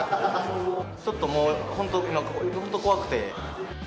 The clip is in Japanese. ちょっともう、本当、怖くて。